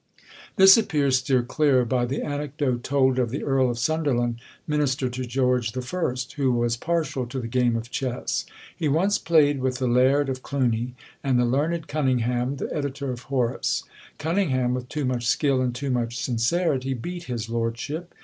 This appears still clearer by the anecdote told of the Earl of Sunderland, minister to George I., who was partial to the game of chess. He once played with the Laird of Cluny, and the learned Cunningham, the editor of Horace. Cunningham, with too much skill and too much sincerity, beat his lordship.